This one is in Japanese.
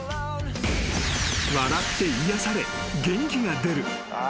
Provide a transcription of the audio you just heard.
［笑って癒やされ元気が出る］